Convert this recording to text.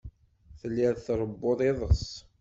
Telliḍ tṛewwuḍ iḍes.